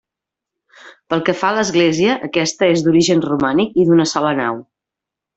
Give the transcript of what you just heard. Pel que fa a l'església, aquesta és d'origen romànic i d'una sola nau.